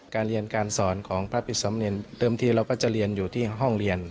การเรียนการสอนของพระพิษสำเนียนเดิมที่เราก็จะเรียนอยู่ที่ห้องเรียน